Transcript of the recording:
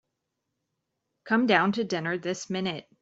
Come down to dinner this minute.